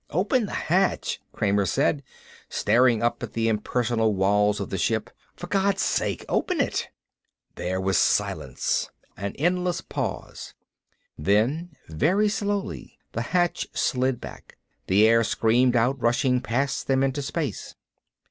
"Open the hatch!" Kramer said, staring up at the impersonal walls of the ship. "For God's sake, open it!" There was silence, an endless pause. Then, very slowly, the hatch slid back. The air screamed out, rushing past them into space.